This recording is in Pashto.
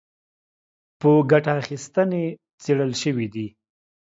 په ګټه اخیستنې څېړل شوي دي